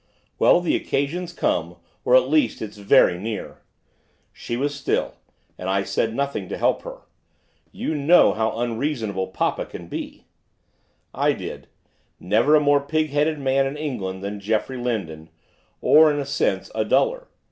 'Well, the occasion's come, or, at least, it's very near.' She was still, and I said nothing to help her. 'You know how unreasonable papa can be.' I did, never a more pig headed man in England than Geoffrey Lindon, or, in a sense, a duller.